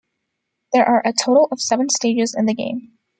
There are a total of seven stages in the game.